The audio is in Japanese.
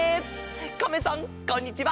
カメさんこんにちは。